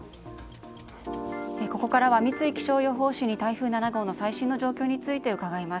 ここからは三井気象予報士に台風７号の最新の状況について伺います。